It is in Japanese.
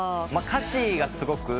歌詞がすごく。